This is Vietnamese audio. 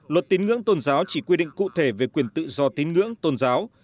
luật tín ngưỡng tôn giáo chỉ quy định cụ thể về quyền tự do tín ngưỡng tôn giáo